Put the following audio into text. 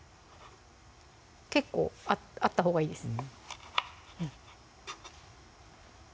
結構あったほうがいいです